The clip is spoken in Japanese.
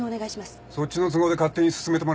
そっちの都合で勝手に進めてもらっちゃ困る。